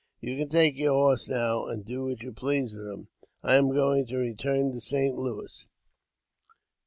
" You can take your horse now, and do what you please with him. I am going to return to St. Louis."